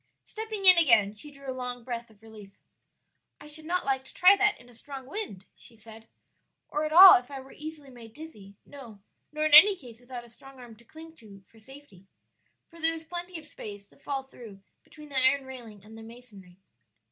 Stepping in again, she drew a long breath of relief. "I should not like to try that in a strong wind," she said, "or at all if I were easily made dizzy; no, nor in any case without a strong arm to cling to for safety; for there is plenty of space to fall through between the iron railing and the masonry."